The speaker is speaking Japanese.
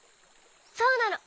そうなの。